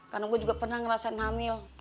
karena gue juga pernah ngerasain hamil